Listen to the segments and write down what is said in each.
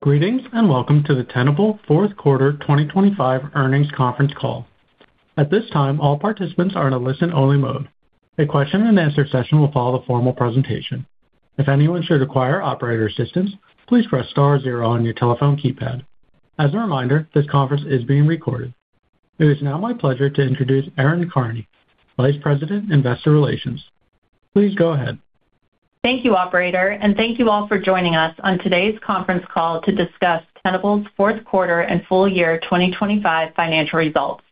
Greetings, and welcome to the Tenable Fourth Quarter 2025 earnings conference call. At this time, all participants are in a listen-only mode. A question and answer session will follow the formal presentation. If anyone should require operator assistance, please press star zero on your telephone keypad. As a reminder, this conference is being recorded. It is now my pleasure to introduce Erin Carney, Vice President, Investor Relations. Please go ahead. Thank you, operator, and thank you all for joining us on today's conference call to discuss Tenable Fourth Quarter and full year 2025 financial results.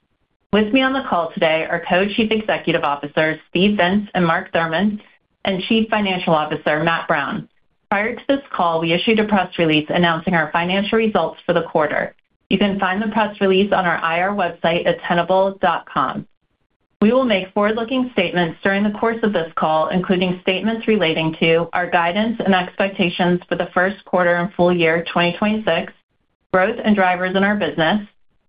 With me on the call today are Co-Chief Executive Officers, Steve Vintz and Mark Thurmond, and Chief Financial Officer, Matt Brown. Prior to this call, we issued a press release announcing our financial results for the quarter. You can find the press release on our IR website at tenable.com. We will make forward-looking statements during the course of this call, including statements relating to our guidance and expectations for the first quarter and full year 2026, growth and drivers in our business,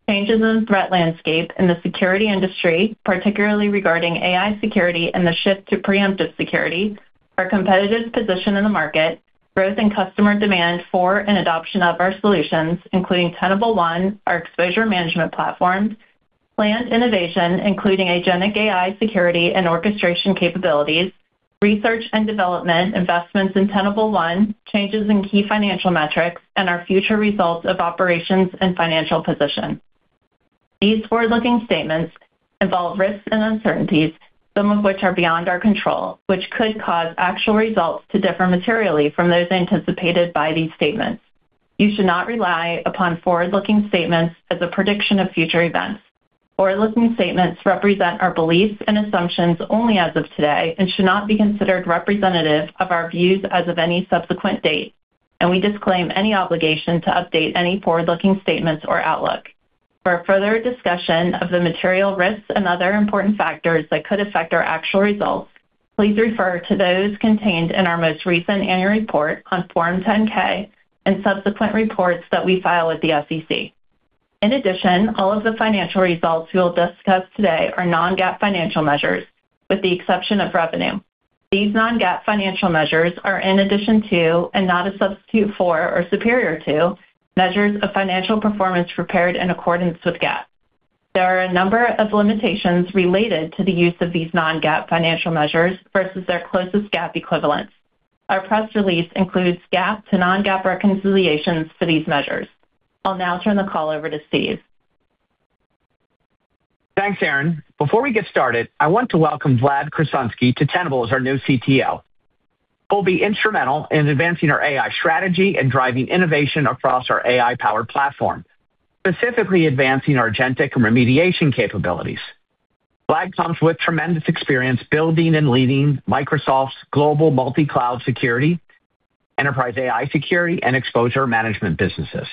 changes in threat landscape in the security industry, particularly regarding AI security and the shift to preemptive security, our competitive position in the market, growth in customer demand for and adoption of our solutions, including Tenable One, our exposure management platform, planned innovation, including agentic AI security and orchestration capabilities, research and development, investments in Tenable One, changes in key financial metrics, and our future results of operations and financial position. These forward-looking statements involve risks and uncertainties, some of which are beyond our control, which could cause actual results to differ materially from those anticipated by these statements. You should not rely upon forward-looking statements as a prediction of future events. Forward-looking statements represent our beliefs and assumptions only as of today and should not be considered representative of our views as of any subsequent date, and we disclaim any obligation to update any forward-looking statements or outlook. For a further discussion of the material risks and other important factors that could affect our actual results, please refer to those contained in our most recent annual report on Form 10-K and subsequent reports that we file with the SEC. In addition, all of the financial results we will discuss today are non-GAAP financial measures, with the exception of revenue. These non-GAAP financial measures are in addition to and not a substitute for or superior to measures of financial performance prepared in accordance with GAAP. There are a number of limitations related to the use of these non-GAAP financial measures versus their closest GAAP equivalents. Our press release includes GAAP to non-GAAP reconciliations for these measures. I'll now turn the call over to Steve. Thanks, Erin. Before we get started, I want to welcome Vlad Korsunsky to Tenable as our new CTO. He'll be instrumental in advancing our AI strategy and driving innovation across our AI-powered platform, specifically advancing our agentic and remediation capabilities. Vlad comes with tremendous experience building and leading Microsoft's global multi-cloud security, enterprise AI security, and exposure management businesses.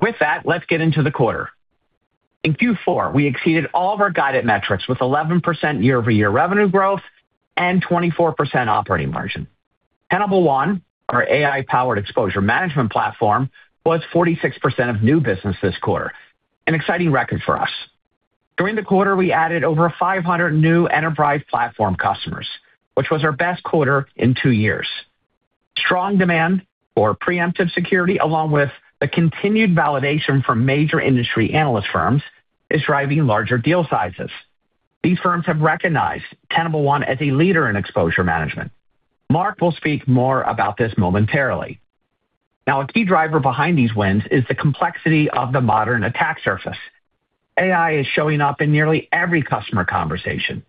With that, let's get into the quarter. In Q4, we exceeded all of our guided metrics with 11% year-over-year revenue growth and 24% operating margin. Tenable One, our AI-powered exposure management platform, was 46% of new business this quarter, an exciting record for us. During the quarter, we added over 500 new enterprise platform customers, which was our best quarter in two years. Strong demand for preemptive security, along with the continued validation from major industry analyst firms, is driving larger deal sizes. These firms have recognized Tenable One as a leader in exposure management. Mark will speak more about this momentarily. Now, a key driver behind these wins is the complexity of the modern attack surface. AI is showing up in nearly every customer conversation.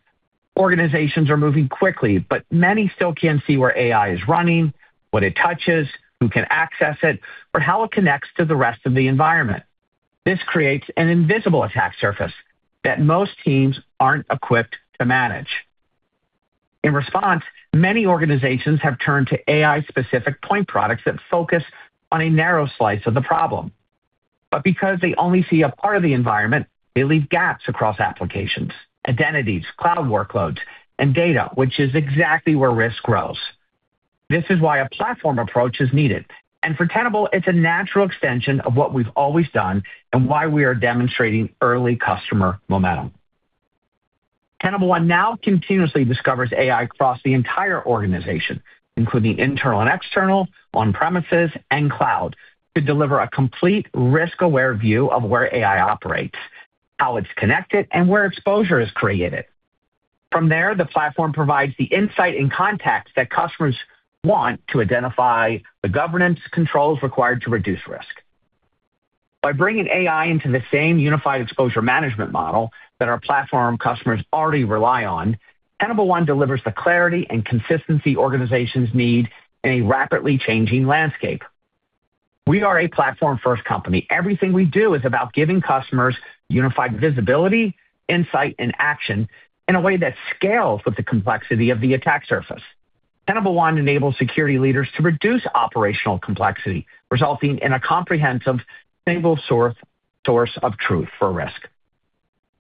Organizations are moving quickly, but many still can't see where AI is running, what it touches, who can access it, or how it connects to the rest of the environment. This creates an invisible attack surface that most teams aren't equipped to manage. In response, many organizations have turned to AI-specific point products that focus on a narrow slice of the problem. Because they only see a part of the environment, they leave gaps across applications, identities, cloud workloads, and data, which is exactly where risk grows. This is why a platform approach is needed, and for Tenable, it's a natural extension of what we've always done and why we are demonstrating early customer momentum. Tenable One now continuously discovers AI across the entire organization, including internal and external, on-premises, and cloud, to deliver a complete risk-aware view of where AI operates, how it's connected, and where exposure is created. From there, the platform provides the insight and context that customers want to identify the governance controls required to reduce risk. By bringing AI into the same unified exposure management model that our platform customers already rely on, Tenable One delivers the clarity and consistency organizations need in a rapidly changing landscape. We are a platform-first company. Everything we do is about giving customers unified visibility, insight, and action in a way that scales with the complexity of the attack surface. Tenable One enables security leaders to reduce operational complexity, resulting in a comprehensive, single source, source of truth for risk.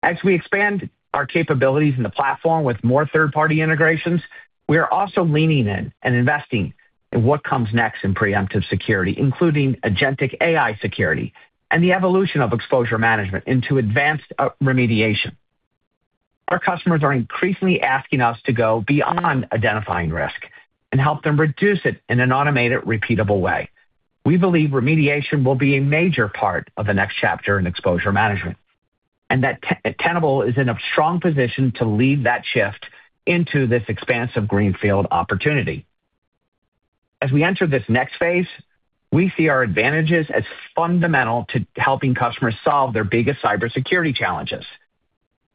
As we expand our capabilities in the platform with more third-party integrations, we are also leaning in and investing in what comes next in preemptive security, including agentic AI security and the evolution of exposure management into advanced remediation. Our customers are increasingly asking us to go beyond identifying risk and help them reduce it in an automated, repeatable way. We believe remediation will be a major part of the next chapter in exposure management, and that Tenable is in a strong position to lead that shift into this expansive greenfield opportunity. As we enter this next phase, we see our advantages as fundamental to helping customers solve their biggest cybersecurity challenges.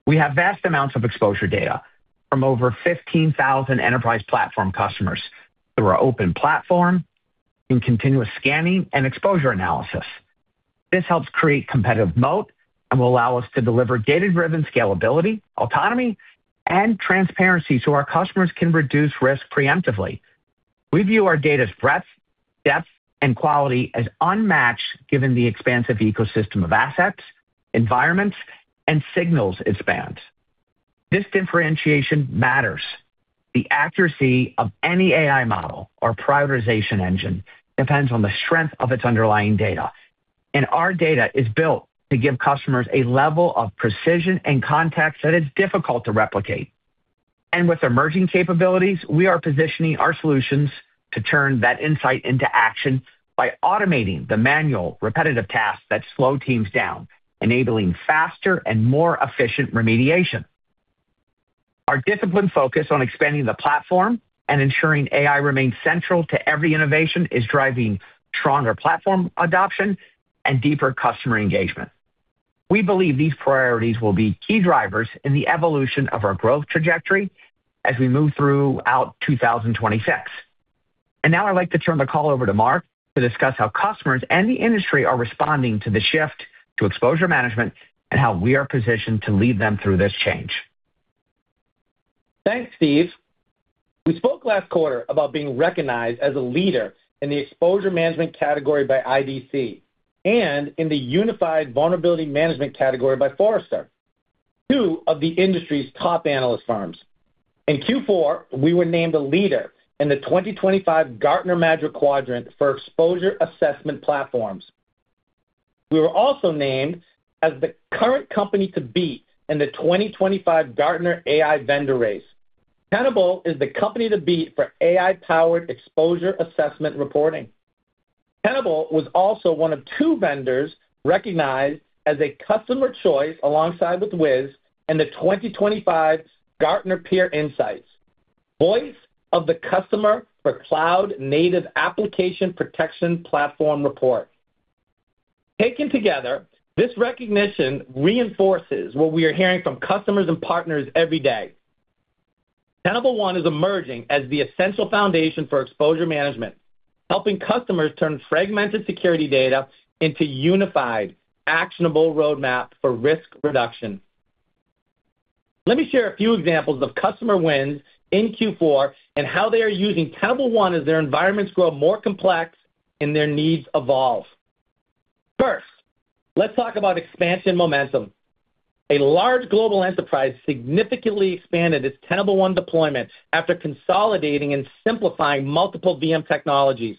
We have vast amounts of exposure data from over 15,000 enterprise platform customers through our open platform and continuous scanning and exposure analysis. This helps create competitive moat and will allow us to deliver data-driven scalability, autonomy, and transparency, so our customers can reduce risk preemptively. We view our data's breadth, depth, and quality as unmatched, given the expansive ecosystem of assets, environments, and signals it spans. This differentiation matters. The accuracy of any AI model or prioritization engine depends on the strength of its underlying data, and our data is built to give customers a level of precision and context that is difficult to replicate. With emerging capabilities, we are positioning our solutions to turn that insight into action by automating the manual, repetitive tasks that slow teams down, enabling faster and more efficient remediation. Our disciplined focus on expanding the platform and ensuring AI remains central to every innovation is driving stronger platform adoption and deeper customer engagement. We believe these priorities will be key drivers in the evolution of our growth trajectory as we move throughout 2026. Now I'd like to turn the call over to Mark to discuss how customers and the industry are responding to the shift to exposure management and how we are positioned to lead them through this change. Thanks, Steve. We spoke last quarter about being recognized as a leader in the exposure management category by IDC and in the unified vulnerability management category by Forrester, two of the industry's top analyst firms. In Q4, we were named a leader in the 2025 Gartner Magic Quadrant for Exposure Assessment Platforms. We were also named as the current company to beat in the 2025 Gartner AI Vendor Race. Tenable is the company to beat for AI-powered exposure assessment reporting. Tenable was also one of two vendors recognized as a Customers' Choice, alongside with Wiz, in the 2025 Gartner Peer Insights, Voice of the Customer for Cloud Native Application Protection Platform Report. Taken together, this recognition reinforces what we are hearing from customers and partners every day. Tenable One is emerging as the essential foundation for exposure management, helping customers turn fragmented security data into unified, actionable roadmaps for risk reduction. Let me share a few examples of customer wins in Q4 and how they are using Tenable One as their environments grow more complex and their needs evolve. First, let's talk about expansion momentum. A large global enterprise significantly expanded its Tenable One deployment after consolidating and simplifying multiple VM technologies.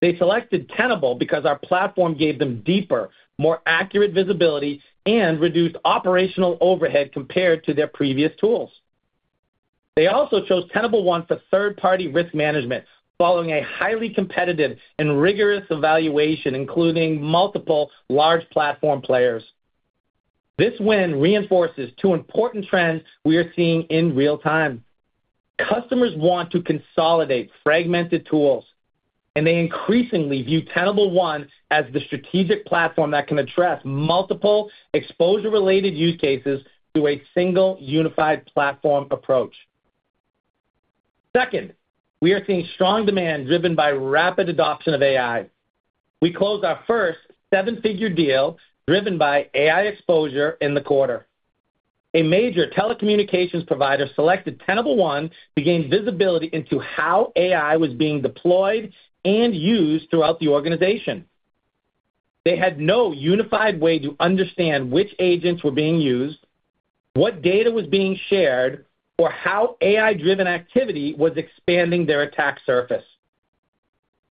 They selected Tenable because our platform gave them deeper, more accurate visibility and reduced operational overhead compared to their previous tools. They also chose Tenable One for third-party risk management, following a highly competitive and rigorous evaluation, including multiple large platform players. This win reinforces two important trends we are seeing in real time. Customers want to consolidate fragmented tools, and they increasingly view Tenable One as the strategic platform that can address multiple exposure-related use cases through a single, unified platform approach. Second, we are seeing strong demand driven by rapid adoption of AI. We closed our first seven-figure deal driven by AI exposure in the quarter. A major telecommunications provider selected Tenable One to gain visibility into how AI was being deployed and used throughout the organization. They had no unified way to understand which agents were being used, what data was being shared, or how AI-driven activity was expanding their attack surface.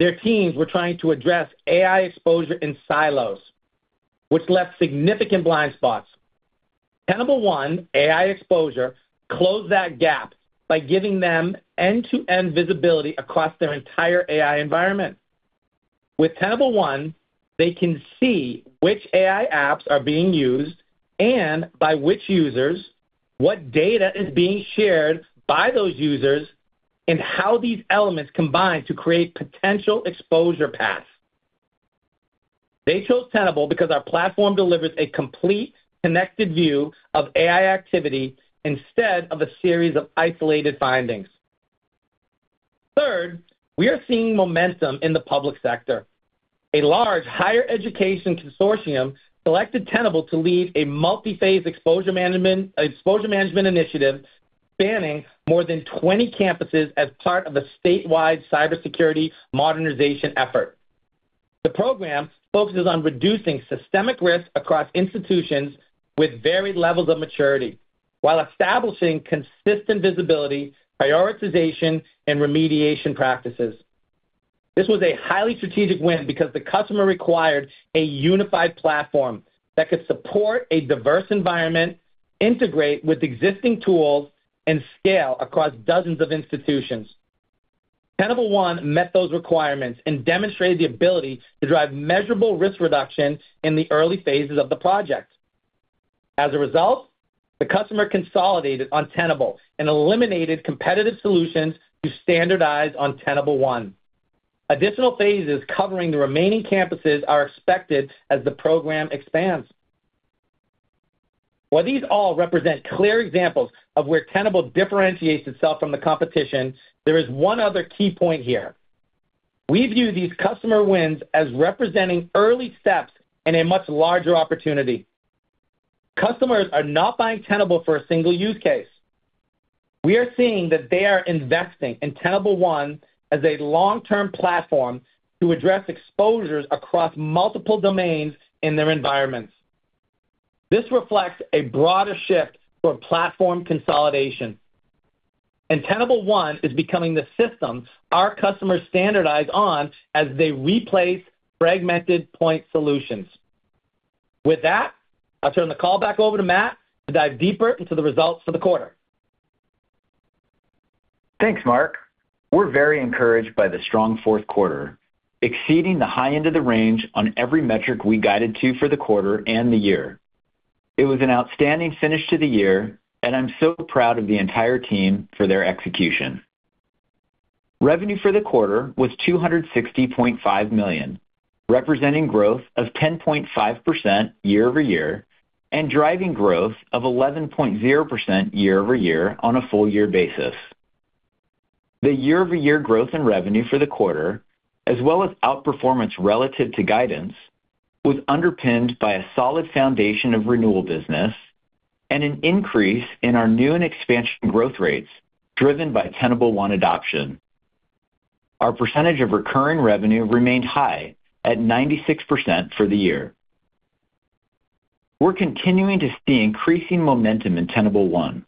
Their teams were trying to address AI exposure in silos, which left significant blind spots. Tenable One AI Exposure closed that gap by giving them end-to-end visibility across their entire AI environment. With Tenable One, they can see which AI apps are being used and by which users, what data is being shared by those users, and how these elements combine to create potential exposure paths. They chose Tenable because our platform delivers a complete, connected view of AI activity instead of a series of isolated findings. Third, we are seeing momentum in the public sector. A large higher education consortium selected Tenable to lead a multi-phase exposure management, exposure management initiative spanning more than 20 campuses as part of a statewide cybersecurity modernization effort. The program focuses on reducing systemic risk across institutions with varied levels of maturity, while establishing consistent visibility, prioritization, and remediation practices. This was a highly strategic win because the customer required a unified platform that could support a diverse environment, integrate with existing tools, and scale across dozens of institutions. Tenable One met those requirements and demonstrated the ability to drive measurable risk reduction in the early phases of the project. As a result, the customer consolidated on Tenable and eliminated competitive solutions to standardize on Tenable One. Additional phases covering the remaining campuses are expected as the program expands. While these all represent clear examples of where Tenable differentiates itself from the competition, there is one other key point here: We view these customer wins as representing early steps in a much larger opportunity. Customers are not buying Tenable for a single use case. We are seeing that they are investing in Tenable One as a long-term platform to address exposures across multiple domains in their environments. This reflects a broader shift toward platform consolidation, and Tenable One is becoming the system our customers standardize on as they replace fragmented point solutions. With that, I'll turn the call back over to Matt to dive deeper into the results for the quarter. Thanks, Mark. We're very encouraged by the strong fourth quarter, exceeding the high end of the range on every metric we guided to for the quarter and the year. It was an outstanding finish to the year, and I'm so proud of the entire team for their execution. Revenue for the quarter was $260.5 million, representing growth of 10.5% year-over-year, and driving growth of 11.0% year-over-year on a full year basis. The year-over-year growth in revenue for the quarter, as well as outperformance relative to guidance, was underpinned by a solid foundation of renewal business and an increase in our new and expansion growth rates, driven by Tenable One adoption. Our percentage of recurring revenue remained high at 96% for the year. We're continuing to see increasing momentum in Tenable One,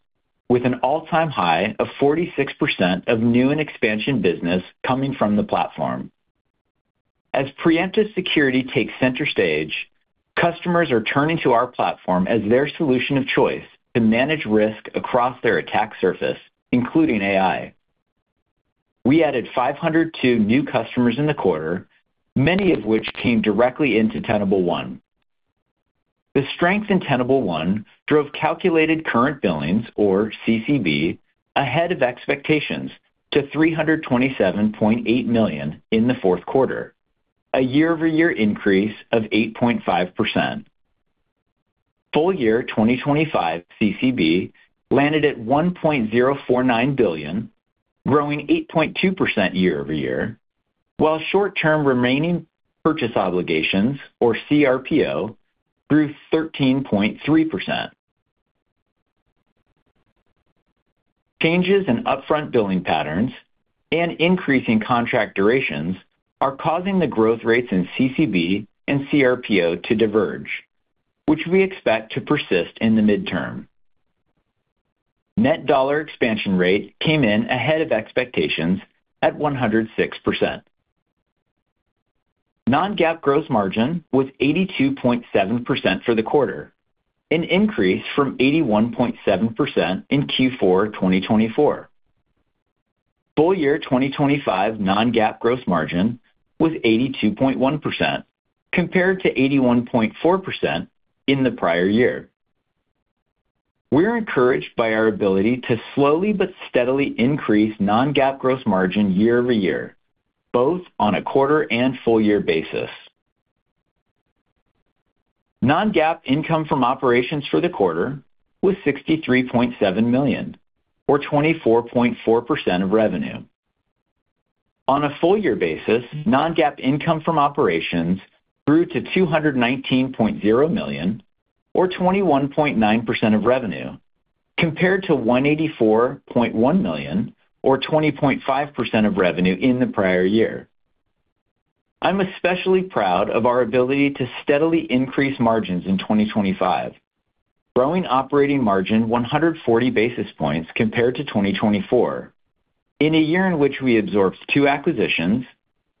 with an all-time high of 46% of new and expansion business coming from the platform. As preemptive security takes center stage, customers are turning to our platform as their solution of choice to manage risk across their attack surface, including AI. We added 502 new customers in the quarter, many of which came directly into Tenable One. The strength in Tenable One drove calculated current billings, or CCB, ahead of expectations to $327.8 million in the fourth quarter, a year-over-year increase of 8.5%. Full year 2025 CCB landed at $1.049 billion, growing 8.2% year over year, while short-term remaining performance obligations, or CRPO, grew 13.3%. Changes in upfront billing patterns and increasing contract durations are causing the growth rates in CCB and CRPO to diverge, which we expect to persist in the midterm. Net dollar expansion rate came in ahead of expectations at 106%. Non-GAAP gross margin was 82.7% for the quarter, an increase from 81.7% in Q4 2024. Full year 2025 non-GAAP gross margin was 82.1%, compared to 81.4% in the prior year. We're encouraged by our ability to slowly but steadily increase non-GAAP gross margin year-over-year, both on a quarter and full year basis. Non-GAAP income from operations for the quarter was $63.7 million, or 24.4% of revenue. On a full year basis, non-GAAP income from operations grew to $219.0 million, or 21.9% of revenue, compared to $184.1 million, or 20.5% of revenue in the prior year. I'm especially proud of our ability to steadily increase margins in 2025, growing operating margin 140 basis points compared to 2024, in a year in which we absorbed two acquisitions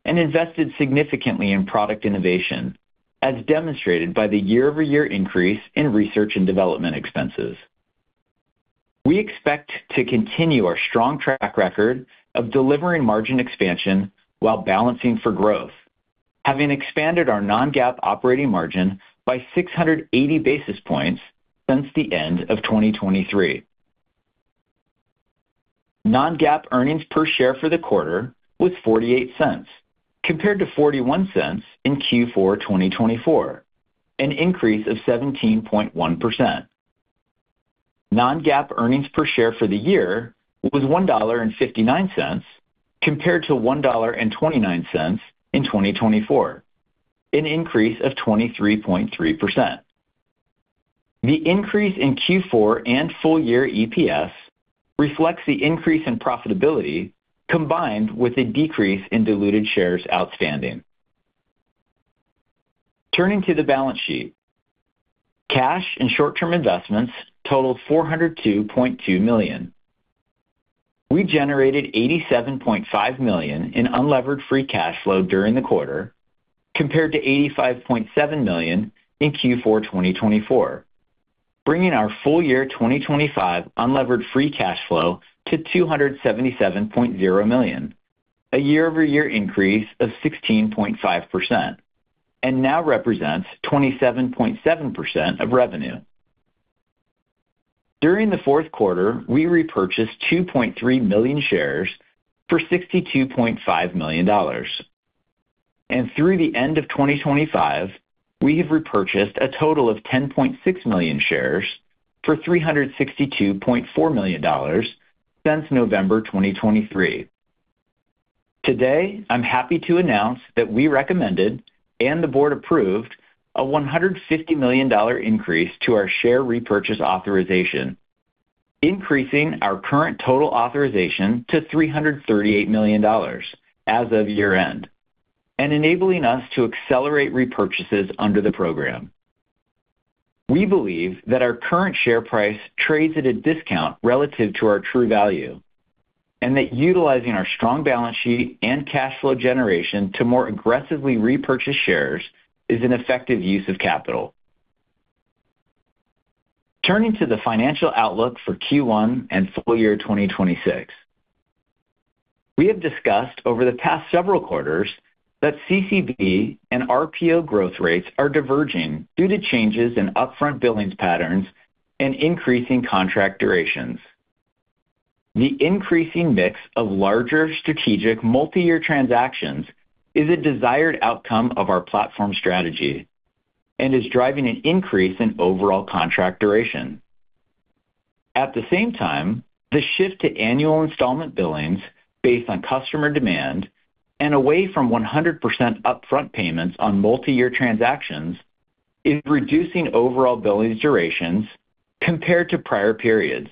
and invested significantly in product innovation, as demonstrated by the year-over-year increase in research and development expenses. We expect to continue our strong track record of delivering margin expansion while balancing for growth, having expanded our non-GAAP operating margin by 680 basis points since the end of 2023. Non-GAAP earnings per share for the quarter was $0.48, compared to $0.41 in Q4 2024, an increase of 17.1%. Non-GAAP earnings per share for the year was $1.59, compared to $1.29 in 2024, an increase of 23.3%. The increase in Q4 and full-year EPS reflects the increase in profitability, combined with a decrease in diluted shares outstanding. Turning to the balance sheet. Cash and short-term investments totaled $402.2 million. We generated $87.5 million in unlevered free cash flow during the quarter, compared to $85.7 million in Q4 2024, bringing our full-year 2025 unlevered free cash flow to $277.0 million, a year-over-year increase of 16.5%, and now represents 27.7% of revenue. During the fourth quarter, we repurchased 2.3 million shares for $62.5 million. Through the end of 2025, we have repurchased a total of 10.6 million shares for $362.4 million since November 2023. Today, I'm happy to announce that we recommended, and the board approved, a $150 million increase to our share repurchase authorization, increasing our current total authorization to $338 million as of year-end, and enabling us to accelerate repurchases under the program. We believe that our current share price trades at a discount relative to our true value, and that utilizing our strong balance sheet and cash flow generation to more aggressively repurchase shares is an effective use of capital. Turning to the financial outlook for Q1 and full year 2026. We have discussed over the past several quarters that CCB and RPO growth rates are diverging due to changes in upfront billings patterns and increasing contract durations. The increasing mix of larger strategic multi-year transactions is a desired outcome of our platform strategy and is driving an increase in overall contract duration. At the same time, the shift to annual installment billings based on customer demand and away from 100% upfront payments on multi-year transactions is reducing overall billings durations compared to prior periods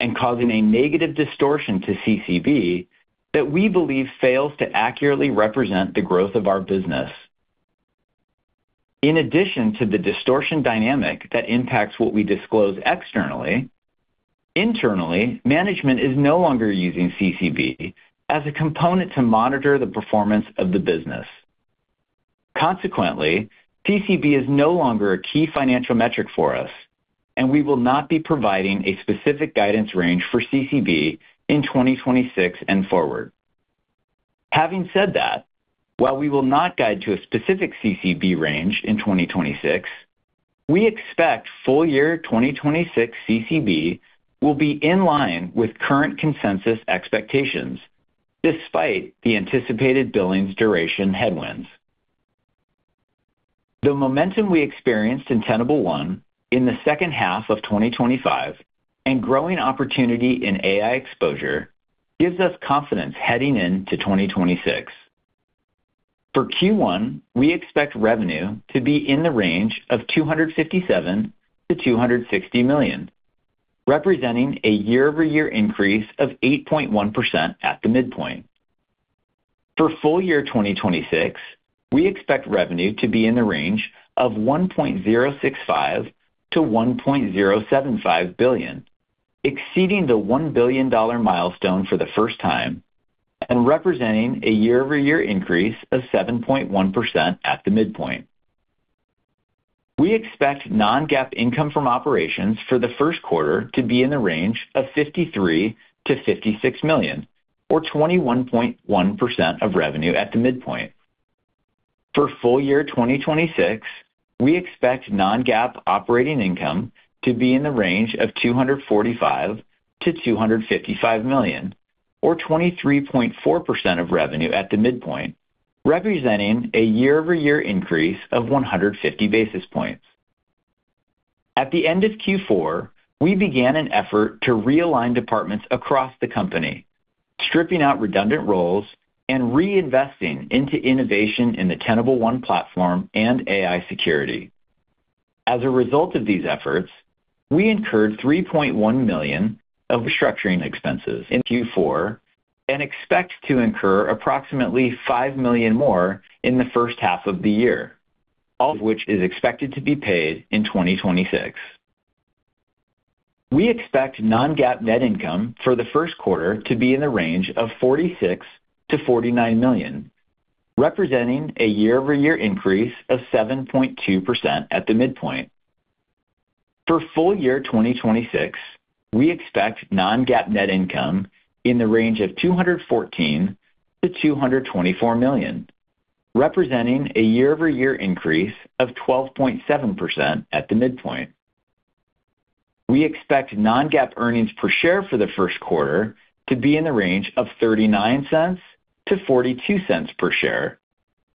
and causing a negative distortion to CCB that we believe fails to accurately represent the growth of our business. In addition to the distortion dynamic that impacts what we disclose externally, internally, management is no longer using CCB as a component to monitor the performance of the business. Consequently, CCB is no longer a key financial metric for us, and we will not be providing a specific guidance range for CCB in 2026 and forward. Having said that, while we will not guide to a specific CCB range in 2026, we expect full year 2026 CCB will be in line with current consensus expectations, despite the anticipated billings duration headwinds. The momentum we experienced in Tenable One in the second half of 2025 and growing opportunity in AI exposure gives us confidence heading into 2026. For Q1, we expect revenue to be in the range of $257 million-$260 million, representing a year-over-year increase of 8.1% at the midpoint. For full year 2026, we expect revenue to be in the range of $1.065 billion-$1.075 billion, exceeding the $1 billion milestone for the first time and representing a year-over-year increase of 7.1% at the midpoint. We expect non-GAAP income from operations for the first quarter to be in the range of $53 million-$56 million, or 21.1% of revenue at the midpoint. For full year 2026, we expect non-GAAP operating income to be in the range of $245 million-$255 million, or 23.4% of revenue at the midpoint, representing a year-over-year increase of 150 basis points. At the end of Q4, we began an effort to realign departments across the company, stripping out redundant roles and reinvesting into innovation in the Tenable One platform and AI security. As a result of these efforts, we incurred $3.1 million of restructuring expenses in Q4 and expect to incur approximately $5 million more in the first half of the year, all of which is expected to be paid in 2026. We expect non-GAAP net income for the first quarter to be in the range of $46 million-$49 million, representing a year-over-year increase of 7.2% at the midpoint. For full year 2026, we expect non-GAAP net income in the range of $214 million-$224 million, representing a year-over-year increase of 12.7% at the midpoint. We expect non-GAAP earnings per share for the first quarter to be in the range of $0.39-$0.42 per share,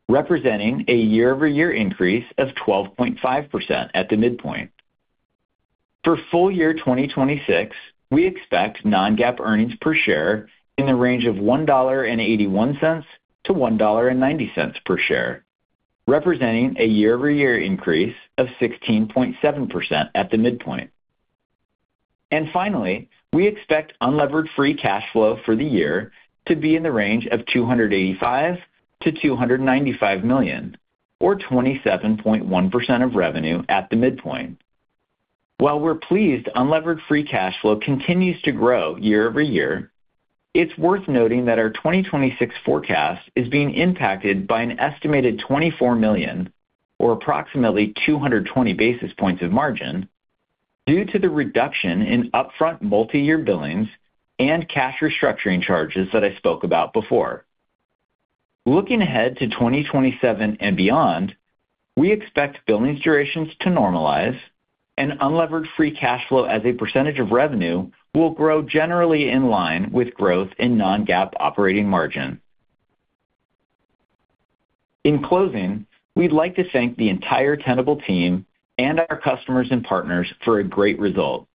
representing a year-over-year increase of 12.5% at the midpoint. For full year 2026, we expect non-GAAP earnings per share in the range of $1.81-$1.90 per share, representing a year-over-year increase of 16.7% at the midpoint. Finally, we expect unlevered free cash flow for the year to be in the range of $285 million-$295 million, or 27.1% of revenue at the midpoint. While we're pleased unlevered free cash flow continues to grow year-over-year, it's worth noting that our 2026 forecast is being impacted by an estimated $24 million, or approximately 220 basis points of margin, due to the reduction in upfront multi-year billings and cash restructuring charges that I spoke about before. Looking ahead to 2027 and beyond, we expect billings durations to normalize and unlevered free cash flow as a percentage of revenue will grow generally in line with growth in non-GAAP operating margin. In closing, we'd like to thank the entire Tenable team and our customers and partners for a great result.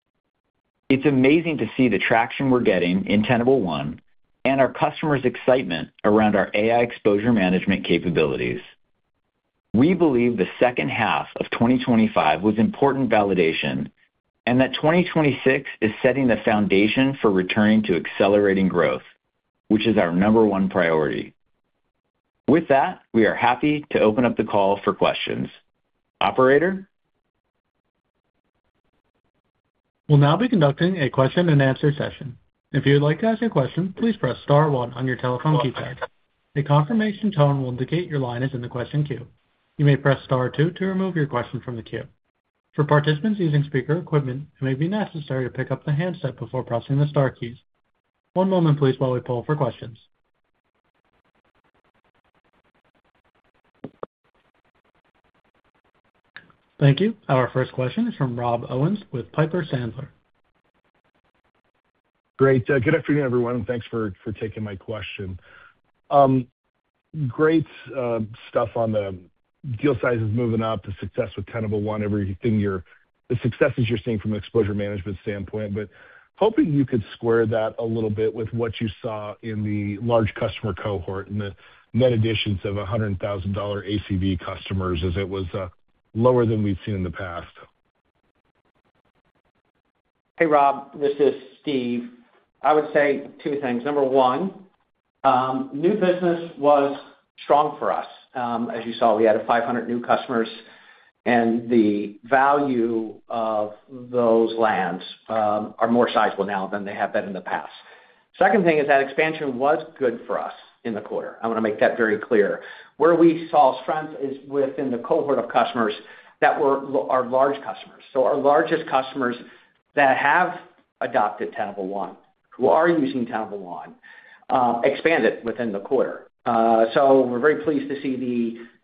It's amazing to see the traction we're getting in Tenable One and our customers' excitement around our AI exposure management capabilities. We believe the second half of 2025 was important validation, and that 2026 is setting the foundation for returning to accelerating growth, which is our number one priority. With that, we are happy to open up the call for questions. Operator? We'll now be conducting a question-and-answer session. If you would like to ask a question, please press star one on your telephone keypad. A confirmation tone will indicate your line is in the question queue. You may press star two to remove your question from the queue. For participants using speaker equipment, it may be necessary to pick up the handset before pressing the star keys. One moment, please, while we pull for questions. Thank you. Our first question is from Rob Owens with Piper Sandler. Great. Good afternoon, everyone, and thanks for taking my question. Great stuff on the deal sizes moving up, the success with Tenable One, everything you're, the successes you're seeing from an exposure management standpoint. Hoping you could square that a little bit with what you saw in the large customer cohort and the net additions of $100,000 ACV customers, as it was lower than we've seen in the past? Hey, Rob, this is Steve. I would say two things. Number one, new business was strong for us. As you saw, we added 500 new customers, and the value of those lands are more sizable now than they have been in the past. Second thing is that expansion was good for us in the quarter. I wanna make that very clear. Where we saw strengths is within the cohort of customers that were our large customers. Our largest customers that have adopted Tenable One, who are using Tenable One, expanded within the quarter. We're very pleased to see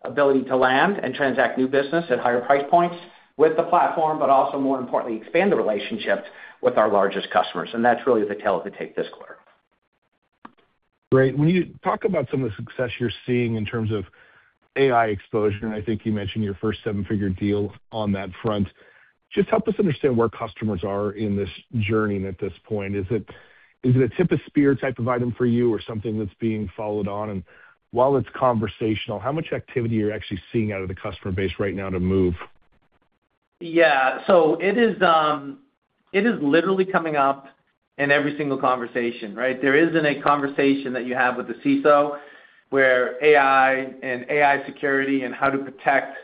the ability to land and transact new business at higher price points with the platform, but also, more importantly, expand the relationships with our largest customers, and that's really the tale to take this quarter. Great. When you talk about some of the success you're seeing in terms of AI exposure, and I think you mentioned your first seven-figure deal on that front, just help us understand where customers are in this journey and at this point. Is it, is it a tip of spear type of item for you or something that's being followed on? While it's conversational, how much activity are you actually seeing out of the customer base right now to move? Yeah. It is literally coming up in every single conversation, right? There isn't a conversation that you have with the CISO where AI and AI security and how to protect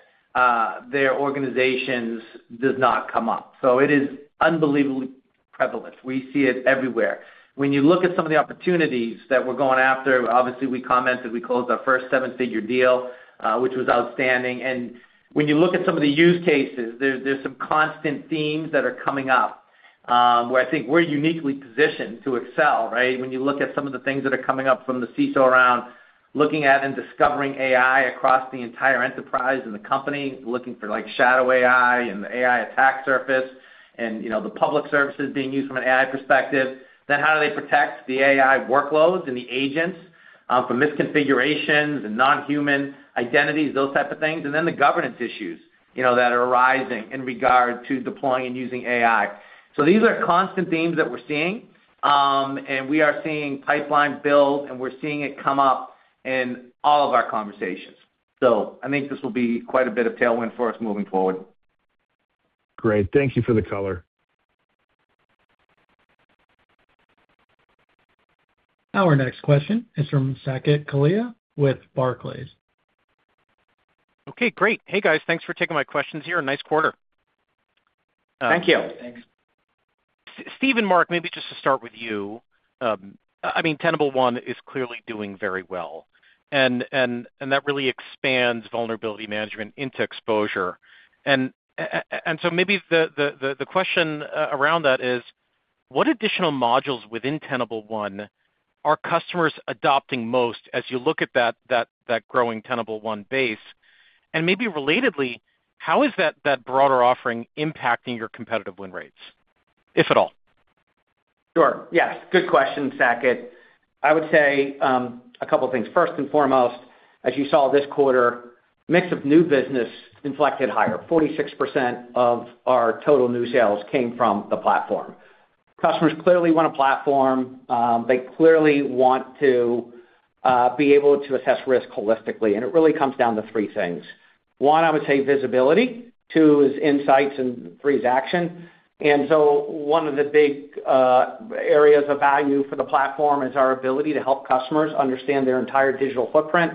their organizations does not come up. It is unbelievably prevalent. We see it everywhere. When you look at some of the opportunities that we're going after, obviously, we commented we closed our first seven-figure deal, which was outstanding. When you look at some of the use cases, there's some constant themes that are coming up, where I think we're uniquely positioned to excel, right? When you look at some of the things that are coming up from the CISO around, looking at and discovering AI across the entire enterprise and the company, looking for, like, shadow AI and the AI attack surface and, you know, the public services being used from an AI perspective. Then how do they protect the AI workloads and the agents, from misconfigurations and non-human identities, those type of things, and then the governance issues, you know, that are arising in regard to deploying and using AI. These are constant themes that we're seeing, and we are seeing pipeline build, and we're seeing it come up in all of our conversations. I think this will be quite a bit of tailwind for us moving forward. Great. Thank you for the color. Our next question is from Saket Kalia with Barclays. Okay, great. Hey, guys, thanks for taking my questions here, and nice quarter. Thank you. Thanks. Steve and Mark, maybe just to start with you. I mean, Tenable One is clearly doing very well, and that really expands vulnerability management into exposure. Maybe the question around that is: What additional modules within Tenable One are customers adopting most as you look at that growing Tenable One base? Maybe relatedly, how is that broader offering impacting your competitive win rates, if at all? Sure. Yes, good question, Saket. I would say, a couple of things. First and foremost, as you saw this quarter, mix of new business inflected higher. 46% of our total new sales came from the platform. Customers clearly want a platform. They clearly want to be able to assess risk holistically, and it really comes down to three things. One, I would say visibility, two is insights, and three is action. One of the big areas of value for the platform is our ability to help customers understand their entire digital footprint,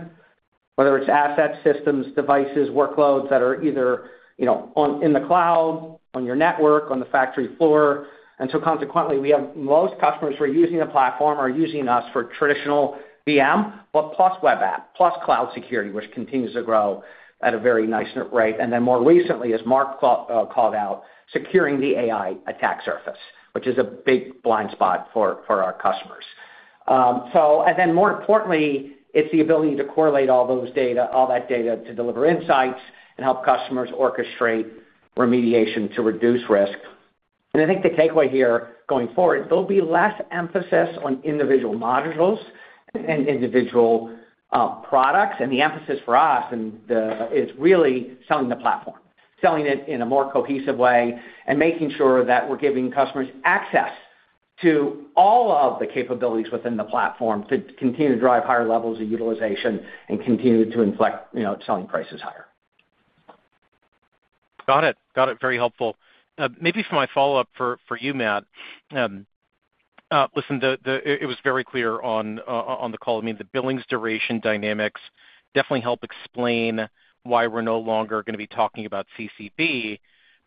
whether it's assets, systems, devices, workloads that are either, you know, on in the cloud, on your network, on the factory floor. Consequently, we have most customers who are using the platform are using us for traditional VM, but plus web app, plus cloud security, which continues to grow at a very nice rate. Then more recently, as Mark called out, securing the AI attack surface, which is a big blind spot for our customers. Then more importantly, it's the ability to correlate all those data, all that data, to deliver insights and help customers orchestrate remediation to reduce risk. I think the takeaway here, going forward, there'll be less emphasis on individual modules and individual products. The emphasis for us and the is really selling the platform, selling it in a more cohesive way and making sure that we're giving customers access to all of the capabilities within the platform to continue to drive higher levels of utilization and continue to inflect, you know, selling prices higher. Got it. Got it. Very helpful. Maybe for my follow-up for you, Matt. Listen, it was very clear on the call. I mean, the billings duration dynamics definitely help explain why we're no longer gonna be talking about CCB.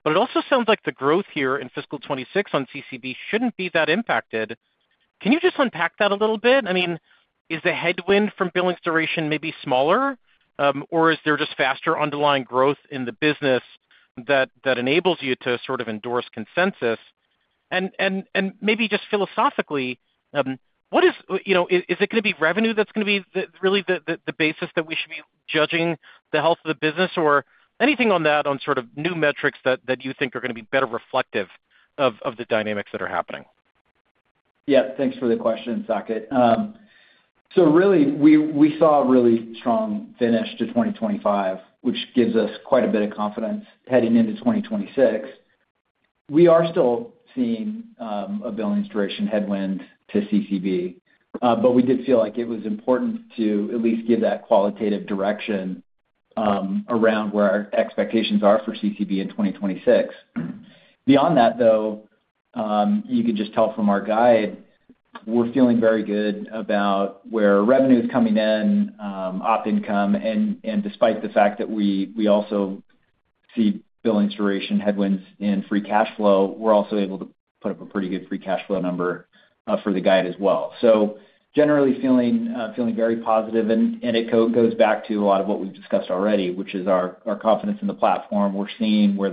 It also sounds like the growth here in fiscal 2026 on CCB shouldn't be that impacted. Can you just unpack that a little bit? I mean, is the headwind from billings duration maybe smaller, or is there just faster underlying growth in the business that enables you to sort of endorse consensus? Maybe just philosophically, what is, you know, is it gonna be revenue that's gonna be really the basis that we should be judging the health of the business? Anything on that, on sort of new metrics that you think are gonna be better reflective of the dynamics that are happening? Yeah, thanks for the question, Saket. Really, we saw a really strong finish to 2025, which gives us quite a bit of confidence heading into 2026. We are still seeing a billings duration headwind to CCB, but we did feel like it was important to at least give that qualitative direction around where our expectations are for CCB in 2026. Beyond that, though, you can just tell from our guide, we're feeling very good about where revenue is coming in, op income, and despite the fact that we also see billings duration headwinds and free cash flow, we're also able to put up a pretty good free cash flow number for the guide as well. Generally feeling very positive, and it goes back to a lot of what we've discussed already, which is our confidence in the platform. We're seeing where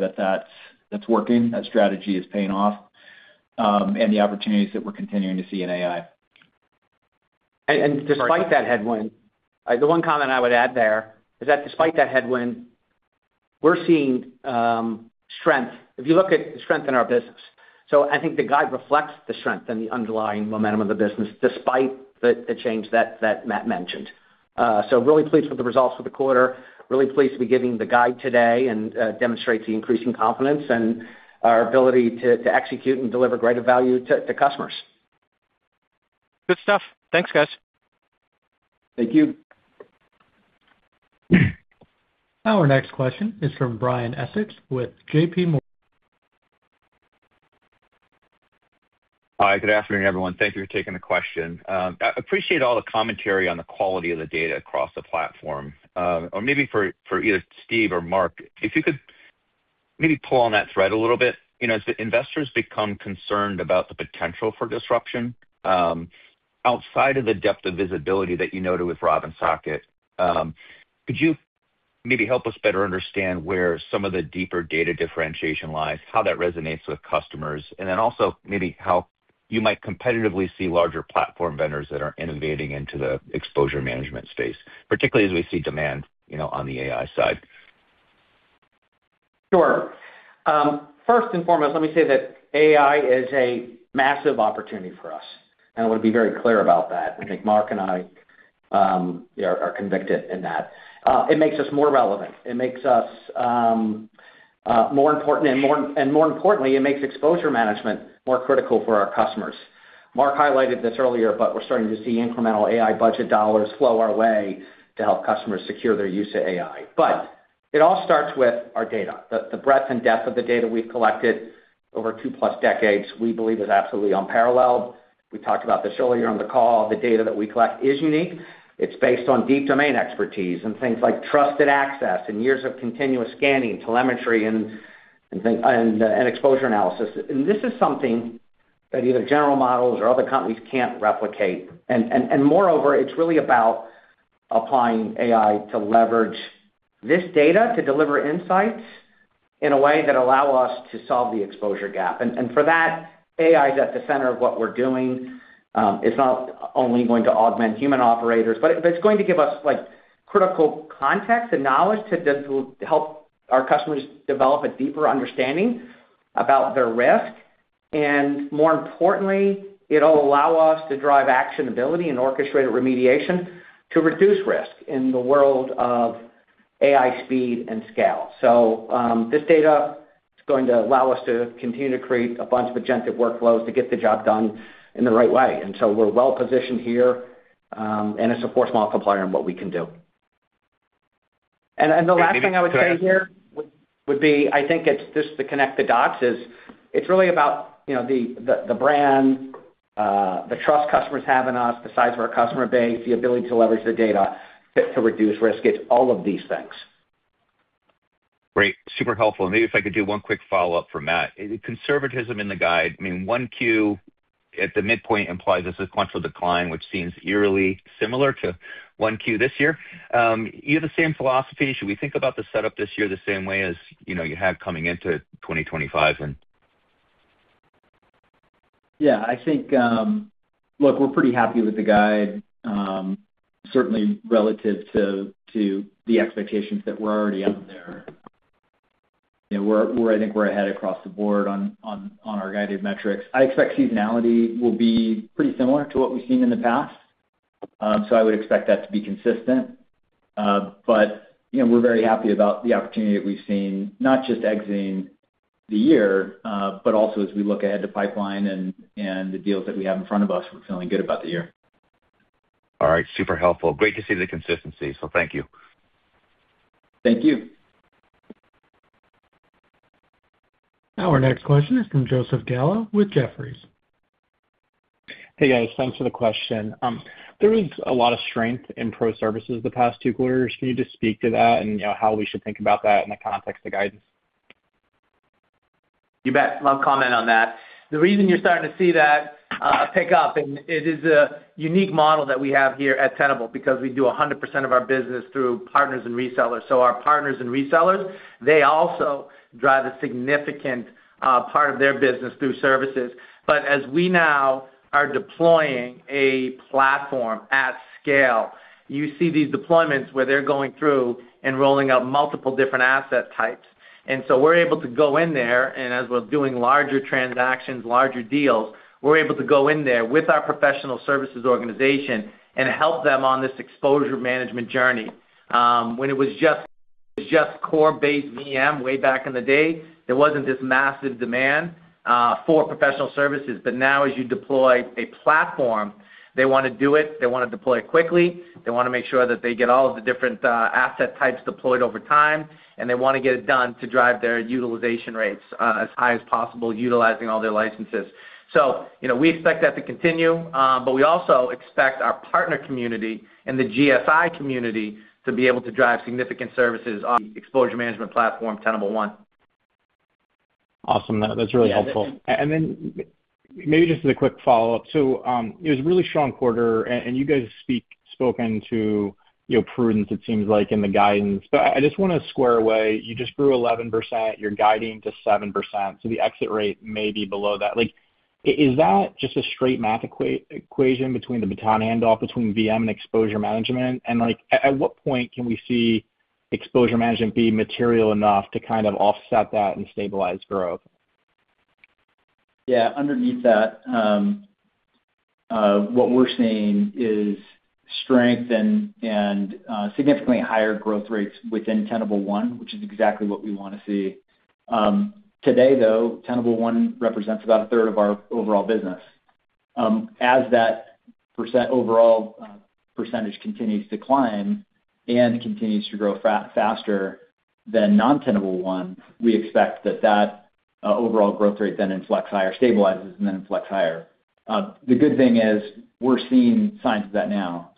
that's working, that strategy is paying off, and the opportunities that we're continuing to see in AI. Despite that headwind, the one comment I would add there is that despite that headwind, we're seeing strength, if you look at strength in our business. I think the guide reflects the strength and the underlying momentum of the business, despite the change that Matt mentioned. Really pleased with the results for the quarter, really pleased to be giving the guide today and demonstrate the increasing confidence and our ability to execute and deliver greater value to customers. Good stuff. Thanks, guys. Thank you. Our next question is from Brian Essex with JPMorgan. Hi, good afternoon, everyone. Thank you for taking the question. I appreciate all the commentary on the quality of the data across the platform. Maybe for either Steve or Mark, if you could maybe pull on that thread a little bit. You know, as the investors become concerned about the potential for disruption, outside of the depth of visibility that you noted with Rob and Saket. Could you maybe help us better understand where some of the deeper data differentiation lies, how that resonates with customers? Then also maybe how you might competitively see larger platform vendors that are innovating into the exposure management space, particularly as we see demand, you know, on the AI side? Sure. First and foremost, let me say that AI is a massive opportunity for us, and I want to be very clear about that. I think Mark and I are convicted in that. It makes us more relevant. It makes us more important, and more importantly, it makes exposure management more critical for our customers. Mark highlighted this earlier, but we're starting to see incremental AI budget dollars flow our way to help customers secure their use of AI. It all starts with our data. The breadth and depth of the data we've collected over 2+ decades, we believe, is absolutely unparalleled. We talked about this earlier on the call. The data that we collect is unique. It's based on deep domain expertise and things like trusted access and years of continuous scanning, telemetry, and exposure analysis. This is something that either general models or other companies can't replicate. Moreover, it's really about applying AI to leverage this data to deliver insights in a way that allow us to solve the exposure gap. For that, AI is at the center of what we're doing. It's not only going to augment human operators, but it's going to give us, like, critical context and knowledge to just help our customers develop a deeper understanding about their risk. More importantly, it'll allow us to drive actionability and orchestrated remediation to reduce risk in the world of AI speed and scale. This data it's going to allow us to continue to create a bunch of agentic workflows to get the job done in the right way. We're well positioned here, and it's a force multiplier in what we can do. The last thing I would say here would be, I think it's just to connect the dots, is it's really about, you know, the brand, the trust customers have in us, the size of our customer base, the ability to leverage the data to reduce risk. It's all of these things. Great. Super helpful. Maybe if I could do one quick follow-up for Matt. Conservatism in the guide, I mean, 1Q at the midpoint implies this is a sequential decline, which seems eerily similar to 1Q this year. You have the same philosophy. Should we think about the setup this year the same way as, you know, you have coming into 2025 and? Yeah, I think, look, we're pretty happy with the guide, certainly relative to the expectations that were already out there. You know, we're, I think we're ahead across the board on our guided metrics. I expect seasonality will be pretty similar to what we've seen in the past. I would expect that to be consistent. You know, we're very happy about the opportunity that we've seen, not just exiting the year, but also as we look ahead to pipeline and the deals that we have in front of us, we're feeling good about the year. All right. Super helpful. Great to see the consistency. Thank you. Thank you. Our next question is from Joseph Gallo with Jefferies. Hey, guys. Thanks for the question. There was a lot of strength in pro services the past two quarters. Can you just speak to that and, you know, how we should think about that in the context of guidance? You bet. I'll comment on that. The reason you're starting to see that pick up, and it is a unique model that we have here at Tenable, because we do 100% of our business through partners and resellers. Our partners and resellers, they also drive a significant part of their business through services. As we now are deploying a platform at scale, you see these deployments where they're going through and rolling out multiple different asset types. We're able to go in there, and as we're doing larger transactions, larger deals, we're able to go in there with our professional services organization and help them on this exposure management journey. When it was just core-based VM, way back in the day, there wasn't this massive demand for professional services. Now, as you deploy a platform, they wanna do it, they wanna deploy it quickly, they wanna make sure that they get all of the different asset types deployed over time, and they wanna get it done to drive their utilization rates as high as possible, utilizing all their licenses. You know, we expect that to continue, but we also expect our partner community and the GSI community to be able to drive significant services on the exposure management platform, Tenable One. Awesome. That's really helpful. Then maybe just as a quick follow-up: It was a really strong quarter, and you guys spoken to, you know, prudence, it seems like, in the guidance. I just wanna square away, you just grew 11%, you're guiding to 7%, so the exit rate may be below that. Like, is that just a straight math equation between the baton handoff between VM and exposure management? Like, at what point can we see exposure management be material enough to kind of offset that and stabilize growth? Yeah. Underneath that, what we're seeing is strength and significantly higher growth rates within Tenable One, which is exactly what we wanna see. Today, though, Tenable One represents about a third of our overall business. As that percent overall, percentage continues to climb and continues to grow faster than non-Tenable One, we expect that overall growth rate then inflects higher, stabilizes, and then inflects higher. The good thing is we're seeing signs of that now.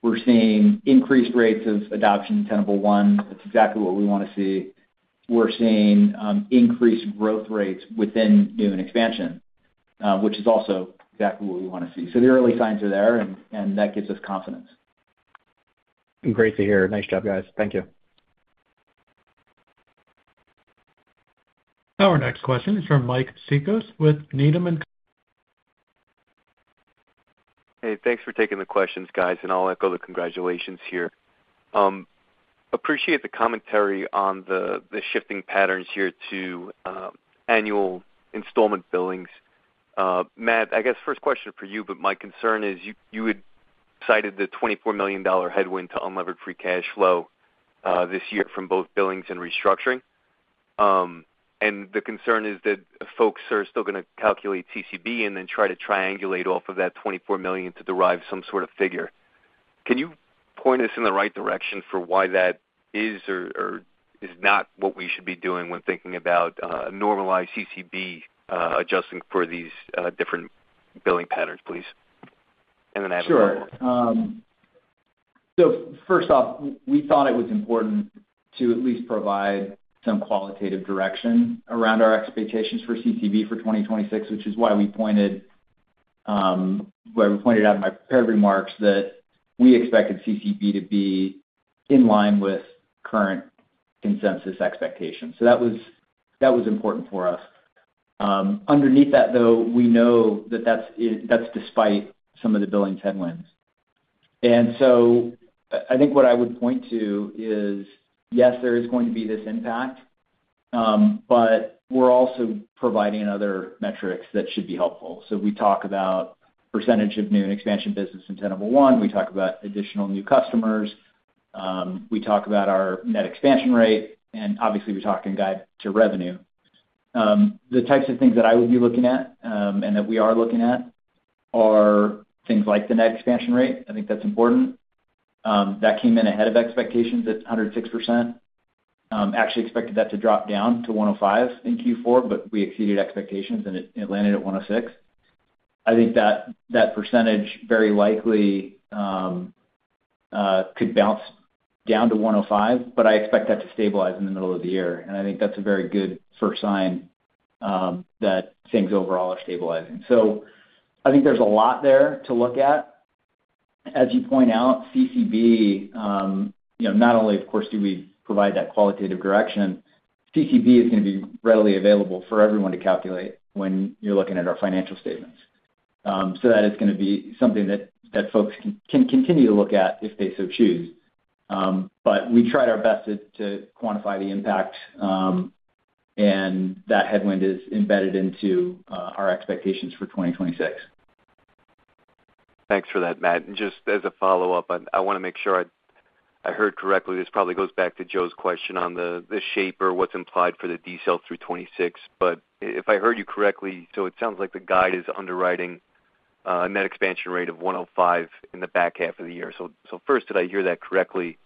We're seeing increased rates of adoption in Tenable One. That's exactly what we wanna see. We're seeing increased growth rates within new and expansion, which is also exactly what we wanna see. The early signs are there, and that gives us confidence. Great to hear. Nice job, guys. Thank you. Our next question is from Mike Cikos with Needham and- Hey, thanks for taking the questions, guys, and I'll echo the congratulations here. Appreciate the commentary on the shifting patterns here to annual installment billings. Matt, I guess first question for you, but my concern is you had cited the $24 million headwind to unlevered free cash flow this year from both billings and restructuring. The concern is that folks are still gonna calculate CCB and then try to triangulate off of that $24 million to derive some sort of figure. Can you point us in the right direction for why that is, or is not what we should be doing when thinking about normalized CCB adjusting for these different billing patterns, please? Then I have- Sure. First off, we thought it was important to at least provide some qualitative direction around our expectations for CCB for 2026, which is why we pointed out in my prepared remarks that we expected CCB to be in line with current consensus expectations. That was, that was important for us. Underneath that, though, we know that that's despite some of the billings headwinds. I think what I would point to is, yes, there is going to be this impact, but we're also providing other metrics that should be helpful. We talk about percentage of new and expansion business in Tenable One. We talk about additional new customers. We talk about our net expansion rate, and obviously, we talk and guide to revenue. The types of things that I would be looking at, and that we are looking at, are things like the net expansion rate. I think that's important. That came in ahead of expectations at 106%. Actually expected that to drop down to 105% in Q4, but we exceeded expectations, and it, it landed at 106%. I think that, that percentage very likely, could bounce down to 105%, but I expect that to stabilize in the middle of the year. I think that's a very good first sign, that things overall are stabilizing. I think there's a lot there to look at. As you point out, CCB, you know, not only, of course, do we provide that qualitative direction, CCB is gonna be readily available for everyone to calculate when you're looking at our financial statements. That is gonna be something that folks can continue to look at if they so choose. We tried our best to quantify the impact, and that headwind is embedded into our expectations for 2026. Thanks for that, Matt. Just as a follow-up, I wanna make sure I heard correctly. This probably goes back to Joe's question on the shape or what's implied for the decel through 2026. If I heard you correctly, so it sounds like the guide is underwriting a net expansion rate of 105 in the back half of the year. First, did I hear that correctly?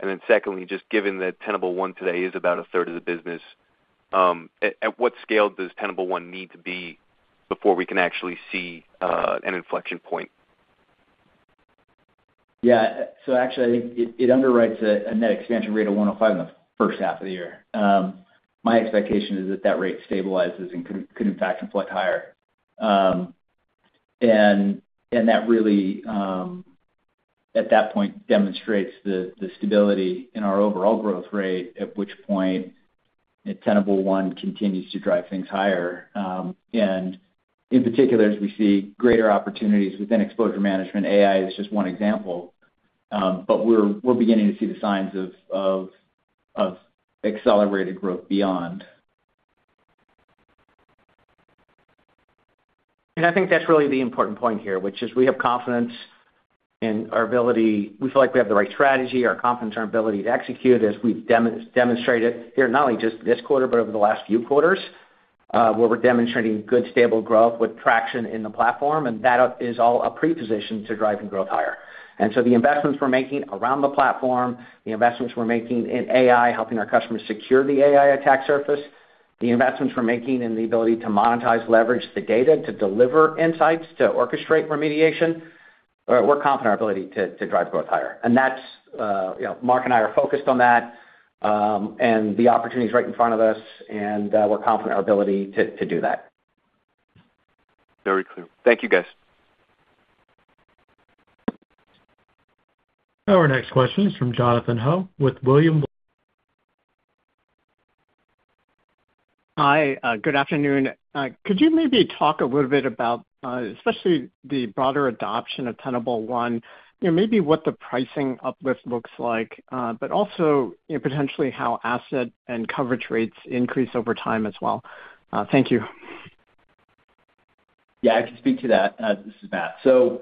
Then secondly, just given that Tenable One today is about a 1/3 of the business, at what scale does Tenable One need to be before we can actually see an inflection point? Yeah. Actually, I think it underwrites a net expansion rate of 105 in the first half of the year. My expectation is that that rate stabilizes and could in fact inflect higher. That really at that point demonstrates the stability in our overall growth rate, at which point Tenable One continues to drive things higher. in particular, as we see greater opportunities within exposure management, AI is just one example. We're beginning to see the signs of accelerated growth beyond. I think that's really the important point here, which is we have confidence in our ability. We feel like we have the right strategy, our confidence in our ability to execute, as we've demonstrated here, not only just this quarter, but over the last few quarters, where we're demonstrating good, stable growth with traction in the platform, and that is all a prerequisite to driving growth higher. The investments we're making around the platform, the investments we're making in AI, helping our customers secure the AI attack surface, the investments we're making in the ability to monetize, leverage the data to deliver insights, to orchestrate remediation, we're confident in our ability to drive growth higher. That's, you know, Mark and I are focused on that, and the opportunity is right in front of us, and we're confident in our ability to do that. Very clear. Thank you, guys. Our next question is from Jonathan Ho with William Blair. Hi, good afternoon. Could you maybe talk a little bit about, especially the broader adoption of Tenable One, you know, maybe what the pricing uplift looks like? Also, you know, potentially how asset and coverage rates increase over time as well? Thank you. Yeah, I can speak to that. This is Matt. The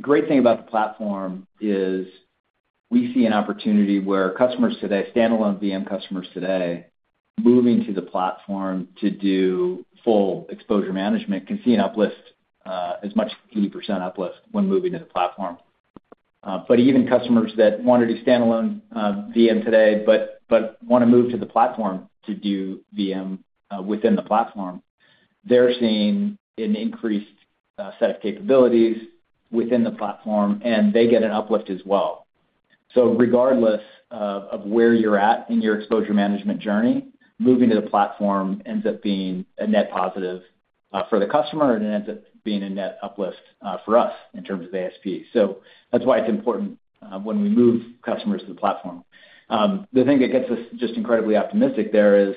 great thing about the platform is we see an opportunity where customers today, standalone VM customers today, moving to the platform to do full exposure management, can see an uplift, as much as 80% uplift when moving to the platform. Even customers that wanted a standalone, VM today, but wanna move to the platform to do VM, within the platform, they're seeing an increased, set of capabilities within the platform, and they get an uplift as well. Regardless of, where you're at in your exposure management journey, moving to the platform ends up being a net positive, for the customer, and it ends up being a net uplift, for us in terms of ASP. That's why it's important, when we move customers to the platform. The thing that gets us just incredibly optimistic there is,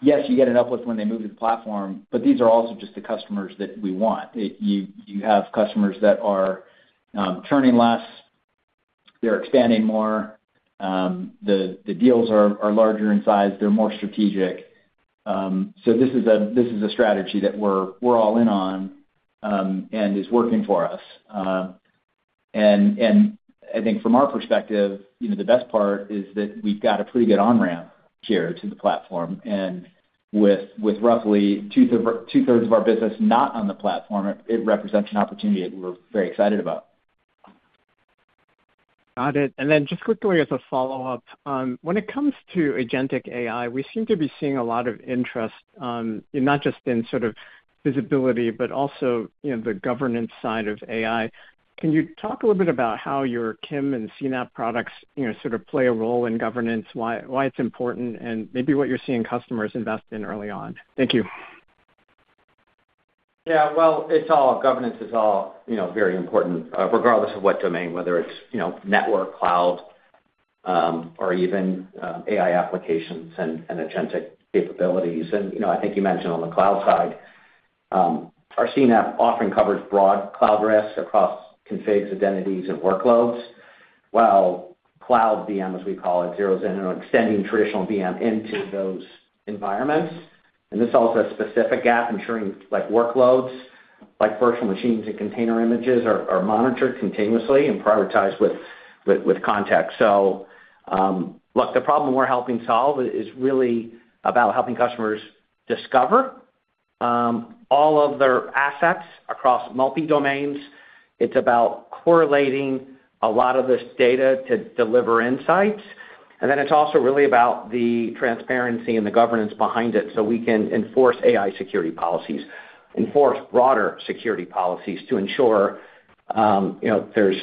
yes, you get an uplift when they move to the platform, but these are also just the customers that we want. It, you have customers that are churning less, they're expanding more, the deals are larger in size, they're more strategic. This is a strategy that we're all in on, and is working for us. I think from our perspective, you know, the best part is that we've got a pretty good on-ramp here to the platform, and with roughly 2/3 of our business not on the platform, it represents an opportunity that we're very excited about. Got it. Then just quickly as a follow-up, when it comes to agentic AI, we seem to be seeing a lot of interest, not just in sort of visibility, but also, you know, the governance side of AI. Can you talk a little bit about how your CIEM and CNAPP products, you know, sort of play a role in governance, why it's important, and maybe what you're seeing customers invest in early on? Thank you. Yeah, well, it's all governance is all, you know, very important, regardless of what domain, whether it's, you know, network, cloud, or even AI applications and agentic capabilities. You know, I think you mentioned on the cloud side, our CNAPP often covers broad cloud risks across configs, identities, and workloads, cloud VM, as we call it, Zero-Day, and extending traditional VM into those environments. This also has specific gap ensuring, like, workloads, like virtual machines and container images are monitored continuously and prioritized with context. Look, the problem we're helping solve is really about helping customers discover all of their assets across multi-domains. It's about correlating a lot of this data to deliver insights, and then it's also really about the transparency and the governance behind it, so we can enforce AI security policies, enforce broader security policies to ensure, you know, there's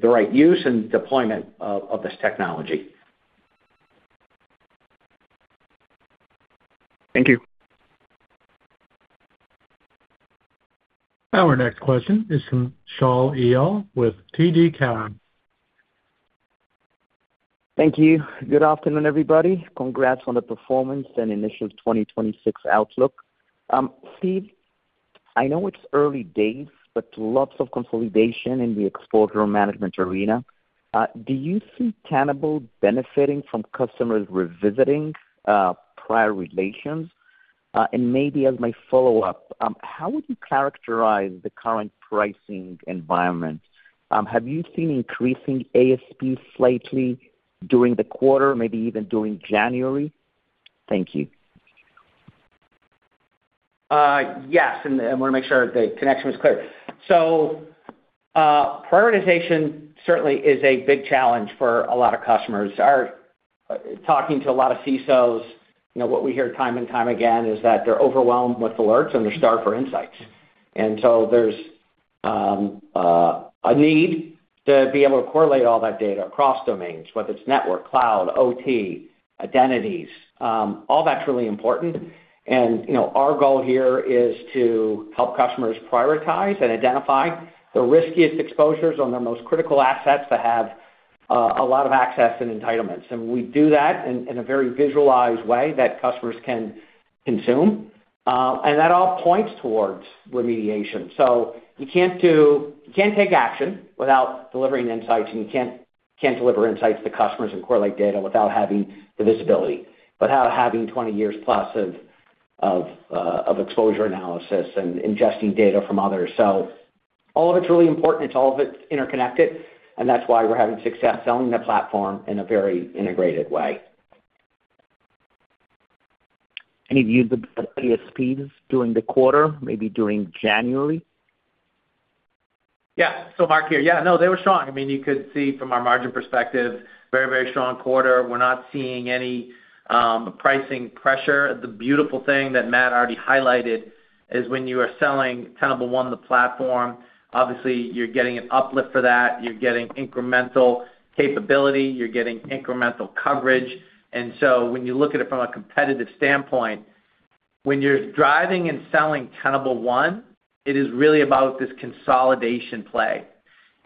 the right use and deployment of, of this technology. Thank you. Our next question is from Shaul Eyal with TD Cowen. Thank you. Good afternoon, everybody. Congrats on the performance and initial 2026 outlook. Steve, I know it's early days, but lots of consolidation in the exposure management arena. Do you see Tenable benefiting from customers revisiting, prior relations? Maybe as my follow-up, how would you characterize the current pricing environment? Have you seen increasing ASP slightly during the quarter, maybe even during January? Thank you. Yes, and I wanna make sure the connection was clear. Prioritization certainly is a big challenge for a lot of customers. We're talking to a lot of CISOs, you know, what we hear time and time again is that they're overwhelmed with alerts, and they're starved for insights. There's a need to be able to correlate all that data across domains, whether it's network, cloud, OT, identities, all that's really important. You know, our goal here is to help customers prioritize and identify the riskiest exposures on their most critical assets that have a lot of access and entitlements. We do that in a very visualized way that customers can consume. That all points towards remediation. You can't take action without delivering insights, and you can't deliver insights to customers and correlate data without having the visibility, without having 20 years plus of exposure analysis and ingesting data from others. All of it's really important, and all of it's interconnected, and that's why we're having success selling the platform in a very integrated way. Any view of the ASPs during the quarter, maybe during January? Yeah. So Mark here. Yeah, no, they were strong. I mean, you could see from our margin perspective, very, very strong quarter. We're not seeing any pricing pressure. The beautiful thing that Matt already highlighted is when you are selling Tenable One, the platform, obviously you're getting an uplift for that. You're getting incremental capability, you're getting incremental coverage. When you look at it from a competitive standpoint, when you're driving and selling Tenable One, it is really about this consolidation play.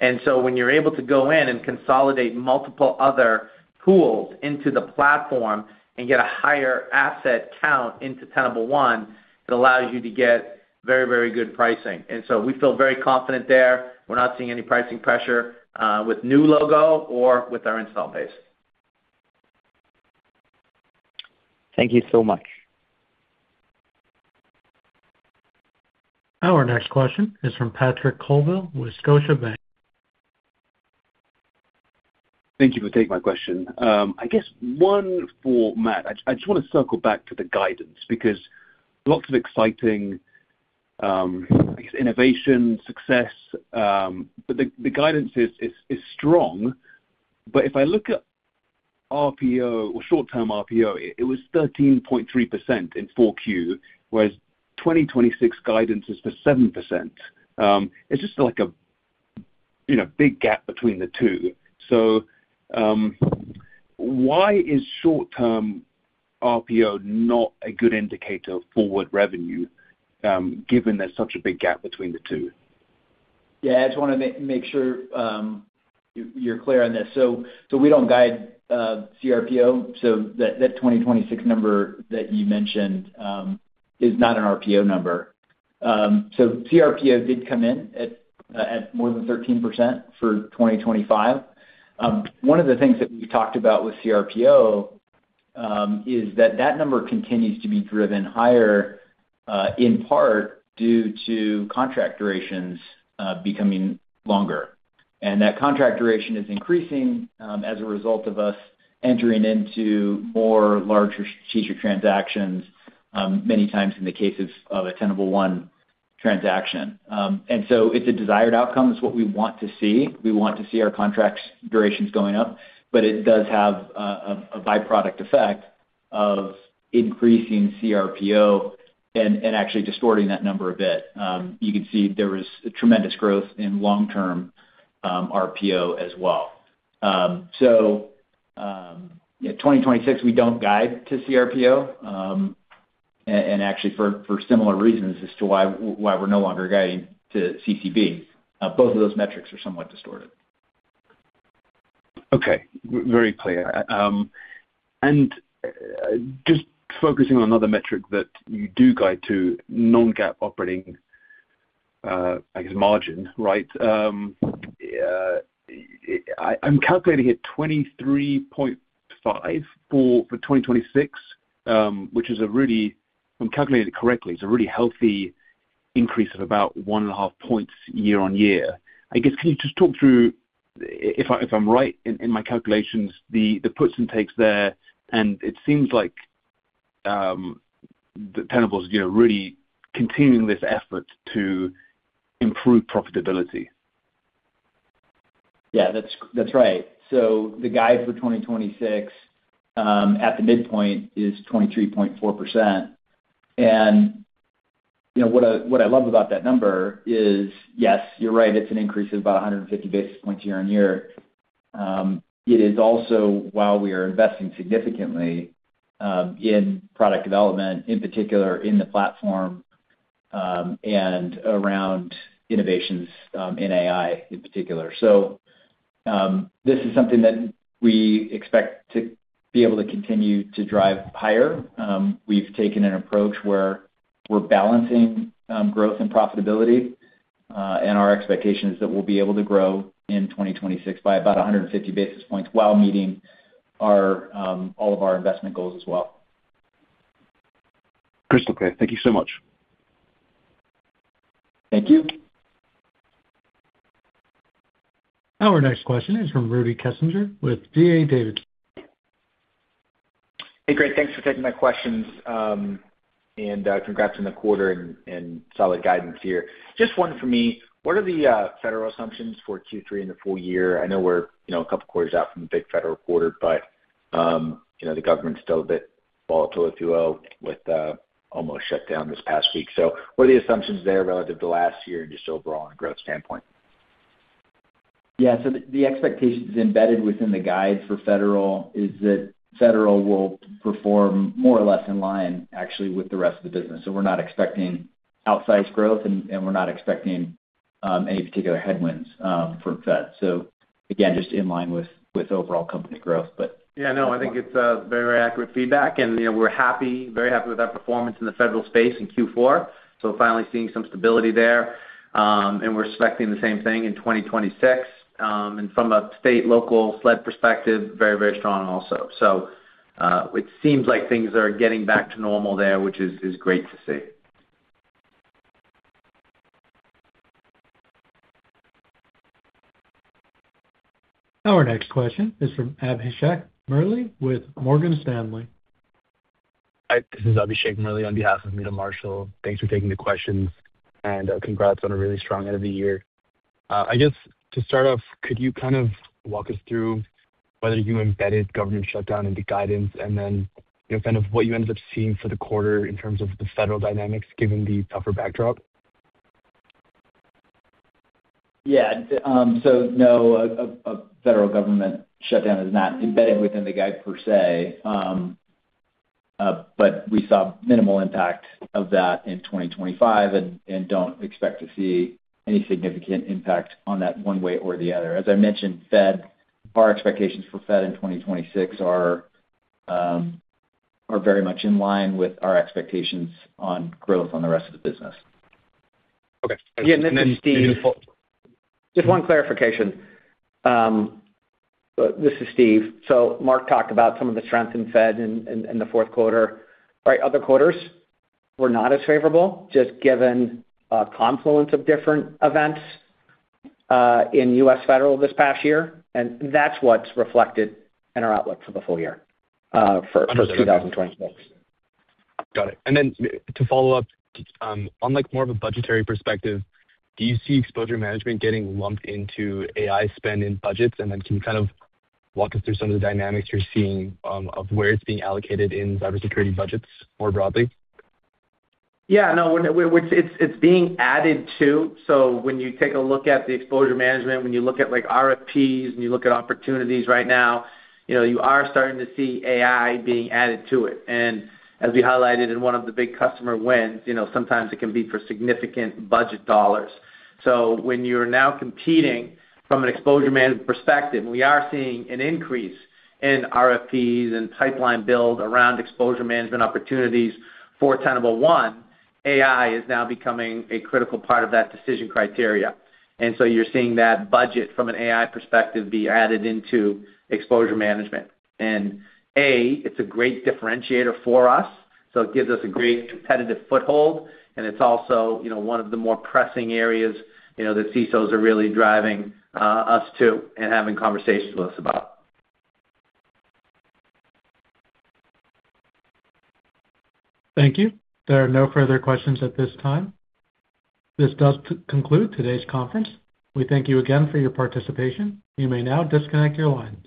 When you're able to go in and consolidate multiple other pools into the platform and get a higher asset count into Tenable One, it allows you to get very, very good pricing. We feel very confident there. We're not seeing any pricing pressure with new logo or with our installed base. Thank you so much. Our next question is from Patrick Colville with Scotiabank. Thank you for taking my question. I guess one for Matt. I just wanna circle back to the guidance, because lots of exciting, I guess, innovation, success, but the guidance is strong. If I look at RPO or short-term RPO, it was 13.3% in 4Q, whereas 2026 guidance is for 7%. It's just like a, you know, big gap between the two. Why is short-term RPO not a good indicator of forward revenue, given there's such a big gap between the two? Yeah, I just wanna make sure you're clear on this. We don't guide CRPO, so that 2026 number that you mentioned is not an RPO number. CRPO did come in at more than 13% for 2025. One of the things that we talked about with CRPO is that that number continues to be driven higher in part due to contract durations becoming longer. That contract duration is increasing as a result of us entering into more larger strategic transactions many times in the cases of a Tenable One transaction. It's a desired outcome. It's what we want to see. We want to see our contracts durations going up, but it does have a byproduct effect of increasing CRPO and actually distorting that number a bit. You can see there was a tremendous growth in long-term RPO as well. Yeah, 2026, we don't guide to CRPO. And actually for similar reasons as to why we're no longer guiding to CCB. Both of those metrics are somewhat distorted. Okay, very clear. Just focusing on another metric that you do guide to, non-GAAP operating, I guess margin, right? I'm calculating here 23.5 for, for 2026, which is a really, if I'm calculating it correctly, it's a really healthy increase of about 1.5 points year-on-year. I guess, can you just talk through if I, if I'm right in, in my calculations, the, the puts and takes there, and it seems like, the Tenable is, you know, really continuing this effort to improve profitability? Yeah, that's, that's right. The guide for 2026, at the midpoint, is 23.4%. You know, what I, what I love about that number is, yes, you're right, it's an increase of about 150 basis points year-on-year. It is also while we are investing significantly, in product development, in particular in the platform, and around innovations, in AI in particular. This is something that we expect to be able to continue to drive higher. We've taken an approach where we're balancing, growth and profitability, and our expectations that we'll be able to grow in 2026 by about 150 basis points, while meeting our, all of our investment goals as well. Chris, okay. Thank you so much. Thank you. Our next question is from Rudy Kessinger with D.A. Davidson. Hey, great. Thanks for taking my questions. Congrats on the quarter and solid guidance here. Just one for me: What are the federal assumptions for Q3 in the full year? I know we're a couple quarters out from the big federal quarter, but you know, the government's still a bit volatile if you will, with almost shut down this past week. What are the assumptions there relative to last year and just overall on a growth standpoint? Yeah, so the expectations embedded within the guide for federal is that federal will perform more or less in line, actually, with the rest of the business. We're not expecting outsized growth and we're not expecting any particular headwinds from fed. Again, just in line with overall company growth, but- Yeah, no, I think it's a very accurate feedback and, you know, we're happy, very happy with our performance in the federal space in Q4. Finally seeing some stability there, and we're expecting the same thing in 2026. From a state, local, SLED perspective, very, very strong also. It seems like things are getting back to normal there, which is great to see. Our next question is from Abhishek Murali with Morgan Stanley. Hi, this is Abhishek Murali on behalf of Meta Marshall. Thanks for taking the questions, and, congrats on a really strong end of the year. I guess to start off, could you kind of walk us through whether you embedded government shutdown into guidance? Then, you know, kind of what you ended up seeing for the quarter in terms of the federal dynamics, given the tougher backdrop? Yeah. No, a federal government shutdown is not embedded within the guide per se. We saw minimal impact of that in 2025 and don't expect to see any significant impact on that one way or the other. As I mentioned, Fed, our expectations for Fed in 2026 are very much in line with our expectations on growth on the rest of the business. Okay. Yeah, and then Steve. Just one clarification. This is Steve. Mark talked about some of the strengths in Fed in the fourth quarter, right? Other quarters were not as favorable, just given a confluence of different events, in U.S. federal this past year, and that's what's reflected in our outlook for the full year, for 2026. Got it. Then to follow up, on, like, more of a budgetary perspective, do you see exposure management getting lumped into AI spend in budgets? Then, can you kind of walk us through some of the dynamics you're seeing, of where it's being allocated in cybersecurity budgets more broadly? Yeah, no, which it's, it's being added to. When you take a look at the exposure management, when you look at, like, RFPs, and you look at opportunities right now, you know, you are starting to see AI being added to it. As we highlighted in one of the big customer wins, you know, sometimes it can be for significant budget dollars. When you're now competing from an exposure management perspective, we are seeing an increase in RFPs and pipeline build around exposure management opportunities. For Tenable One, AI is now becoming a critical part of that decision criteria. You're seeing that budget from an AI perspective be added into exposure management. A, it's a great differentiator for us, so it gives us a great competitive foothold, and it's also, you know, one of the more pressing areas, you know, that CISOs are really driving us to and having conversations with us about. Thank you. There are no further questions at this time. This does conclude today's conference. We thank you again for your participation. You may now disconnect your lines.